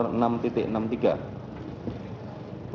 bahwa benar saksi devi krishnawati syakian selaku headbar